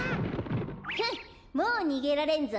ふんっもうにげられんぞ。